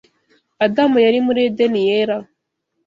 Adamu yari muri Edeni yera,